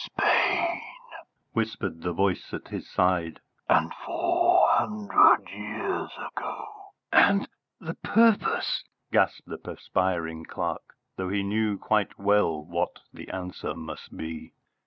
"Spain!" whispered the voice at his side, "and four hundred years ago." "And the purpose?" gasped the perspiring clerk, though he knew quite well what the answer must be.